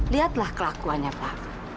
lihatlah kelakuannya pak